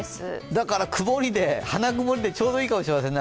だから曇りで花曇りでちょうどいいかもしれませんね